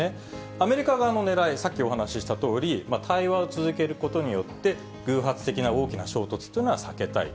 アメリカ側のねらい、さっきお話したとおり、対話を続けることによって、偶発的な大きな衝突というのは避けたい。